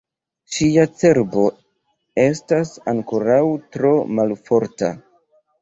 Ŝia cerbo estas ankoraŭ tro malforta.